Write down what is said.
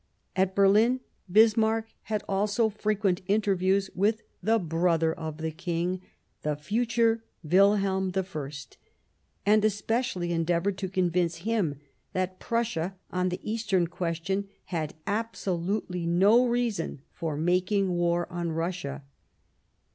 At Berlin Bismarck had also frequent interviews with the brother of the King, the future Wilhelm I, and especially endeavoured to convince him that Prussia, on the Eastern Question, had absolutely no reason for making war on Russia.